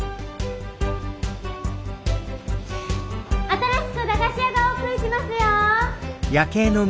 新しく駄菓子屋がオープンしますよ！